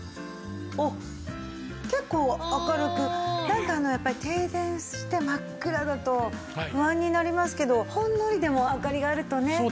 おっ結構明るくやっぱり停電して真っ暗だと不安になりますけどほんのりでも明かりがあるとね。